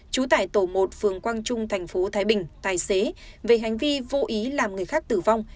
trú tại tổ một phường quang trung thành phố thái bình tài xế về hành vi vô ý làm người khác tử vong